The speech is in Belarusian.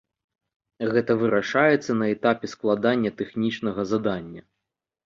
Гэта вырашаецца на этапе складання тэхнічнага задання.